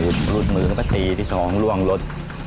แล้วถูกจุดมือน้ำตกแล้วก็ตีที่สองร่วงรถ